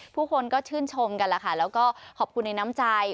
ผู้คนก็ชื่นชมกันแล้วค่ะแล้วก็ขอบคุณในน้ำใจ